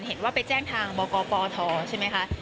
เห็นว่าไปแจ้งทางบกปทใช่ไหมคะ